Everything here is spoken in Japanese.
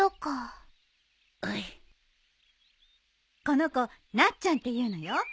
この子なっちゃんって言うのよ。